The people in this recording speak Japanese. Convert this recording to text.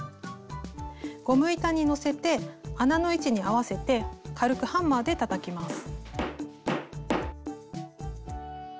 ゴム板にのせて穴の位置に合わせて軽くハンマーでたたきます。